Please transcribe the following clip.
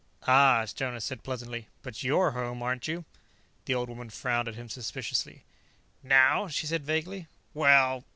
"Ah," Jonas said pleasantly. "But you're home, aren't you?" The old woman frowned at him suspiciously. "Now," she said vaguely. "Well."